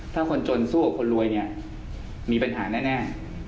ถ้าคนจนสู้กับคนรวยเนี่ยมีปัญหาแน่